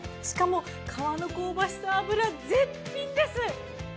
しかも皮の香ばしさ脂絶品です。